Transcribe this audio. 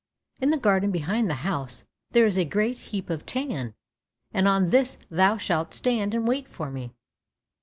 In the garden behind the house there is a great heap of tan, and on this thou shalt stand and wait for me.